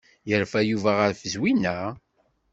Yerfa Yuba ɣef Zwina?